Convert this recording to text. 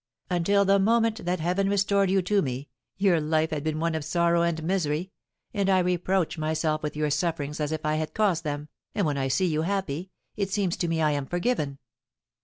"Until the moment that Heaven restored you to me, your life had been one of sorrow and misery, and I reproach myself with your sufferings as if I had caused them, and when I see you happy, it seems to me I am forgiven.